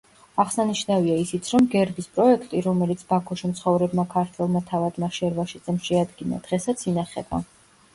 აღსანიშნავია ისიც, რომ გერბის პროექტი, რომელიც ბაქოში მცხოვრებმა ქართველმა თავადმა შერვაშიძემ შეადგინა, დღესაც ინახება.